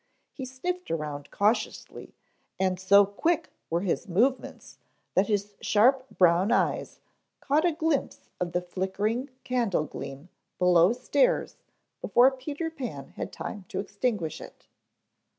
He sniffed around cautiously and so quick were his movements that his sharp brown eyes caught a glimpse of the flickering candle gleam below stairs before Peter Pan had time to extinguish it.